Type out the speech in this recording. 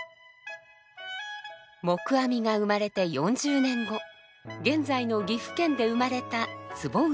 黙阿弥が生まれて４０年後現在の岐阜県で生まれた坪内逍遙。